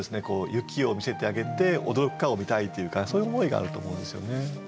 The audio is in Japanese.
雪を見せてあげて驚くかを見たいというかそういう思いがあると思うんですよね。